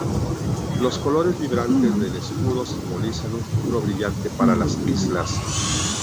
Los colores vibrantes del escudo simbolizan un futuro brillante para las islas.